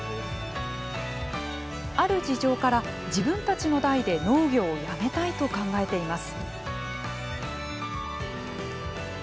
ある事情から、自分たちの代で農業をやめたいと考えています。